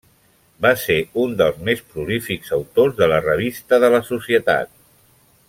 Va ser un dels més prolífics autors de la revista de la Societat.